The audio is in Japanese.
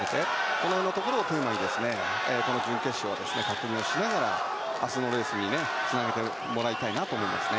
この辺のところをテーマにこの準決勝は確認をしながら明日のレースにつなげてもらいたいですね。